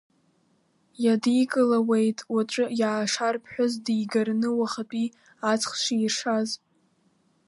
Иадикылауеит уаҵәы иаашар ԥҳәыс дигараны уахатәи аҵх ширшаз.